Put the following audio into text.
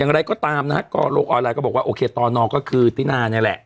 อย่างไรก็ตามนะฮะก็โลกออนไลน์ก็บอกว่าโอเคตอนอก็คือตินานี่แหละ